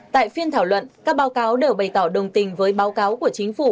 tại phiên thảo luận các báo cáo đều bày tỏ đồng tình với báo cáo của chính phủ